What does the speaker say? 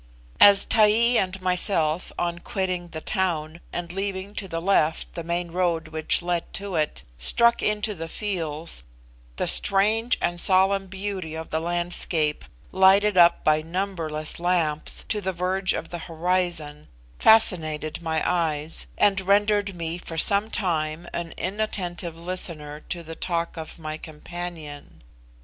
As Taee and myself, on quitting the town, and leaving to the left the main road which led to it, struck into the fields, the strange and solemn beauty of the landscape, lighted up, by numberless lamps, to the verge of the horizon, fascinated my eyes, and rendered me for some time an inattentive listener to the talk of my companion.